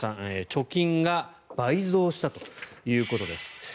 貯金が倍増したということです。